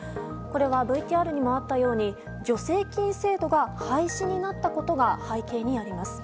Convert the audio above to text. ＶＴＲにもあったように助成金制度が廃止になったことが背景にあります。